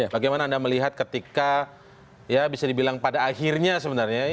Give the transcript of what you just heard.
bagaimana anda melihat ketika ya bisa dibilang pada akhirnya sebenarnya